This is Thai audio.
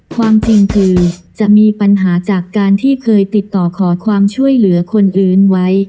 ความจริงคือจะมีปัญหาจากการที่เคยติดต่อขอความช่วยเหลือคนอื่นไว้